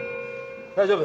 大丈夫？